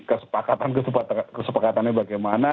kesepakatan kesepakatannya bagaimana